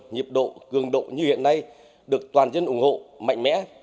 nhiệp độ cường độ như hiện nay được toàn dân ủng hộ mạnh mẽ